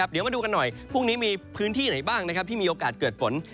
เดี๋ยวมาดูกันหน่อยพรุ่งนี้มีพื้นที่ไหนบ้างที่มีโอกาสเกิดฝน